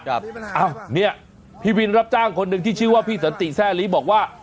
อ้าวเนี่ยพี่วินรับจ้างคนหนึ่งที่ชื่อว่าพี่สันติแซ่ลีบอกว่า